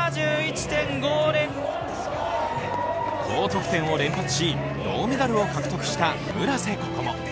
高得点を連発し、銅メダルを獲得した村瀬心椛。